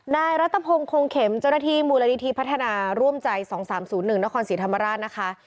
นายรัฐพงศ์คงเข็มเจ้าหน้าที่มูลนิธิพัฒนาร่วมใจ๒๓๐๑นครศรีธรรมราชนะคะ